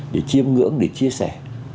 để chiêm ngưỡng để chia sẻ